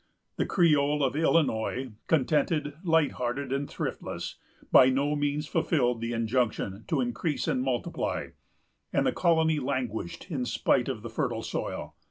The Creole of the Illinois, contented, light hearted, and thriftless, by no means fulfilled the injunction to increase and multiply; and the colony languished in spite of the fertile soil.